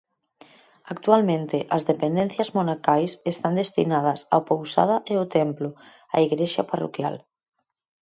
Actualmente as dependencias monacais están destinadas a pousada e o templo, a igrexa parroquial.